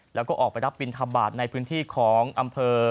แล้วก็ออกไปรับบินทบาทในพื้นที่ของอำเภอ